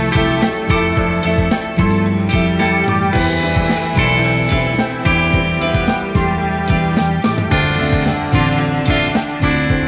di saat kondisi saya seperti ini